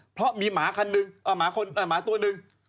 เพราะมีหมาตัวหนึ่ง